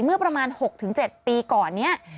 เมื่อประมาณ๖๗ปีก่อนนี้